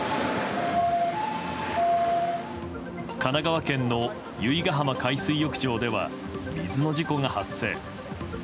神奈川県の由比ガ浜海水浴場では水の事故が発生。